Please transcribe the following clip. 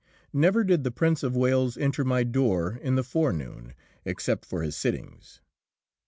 Never did the Prince of Wales enter my door in the forenoon except for his sittings.